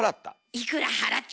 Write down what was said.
いくら払った？